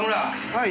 はい。